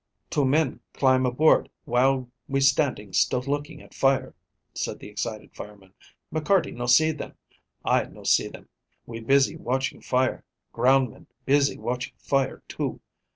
"Two men climb aboard while we standing still looking at fire," said the excited fireman. "McCarty no see them. I no see them. We busy watching fire, ground men busy watching fire, too.